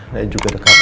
dan juga dekat